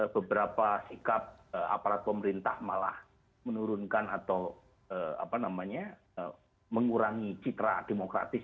beberapa sikap aparat pemerintah malah menurunkan atau mengurangi citra demokratis